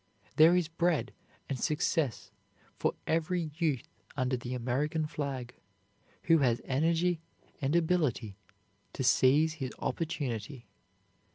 There is bread and success for every youth under the American flag who has energy and ability to seize his opportunity.